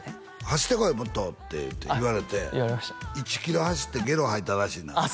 「走ってこいもっと！」って言われて１キロ走ってゲロ吐いたらしいなああ